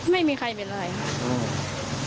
ไม่มีใครเป็นอะไรค่ะ